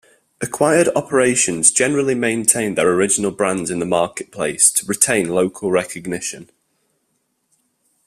Acquired operations generally maintained their original brands in the marketplace to retain local recognition.